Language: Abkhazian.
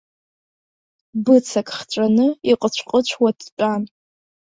Быцак хҵәаны, иҟыцәҟыцәуа дтәан.